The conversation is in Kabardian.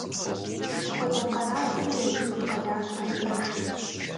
Сыт хуэдэ къэралми езым и къалащхьэ иӀэжщ.